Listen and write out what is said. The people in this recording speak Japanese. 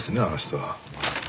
あの人は。